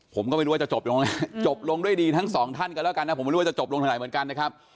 ผมก็ไม่รู้ว่าจะจบยังไงจบลงด้วยดีทั้งสองท่านกันแล้วกันนะผมไม่รู้ว่าจะจบลงทางไหนเหมือนกันนะครับ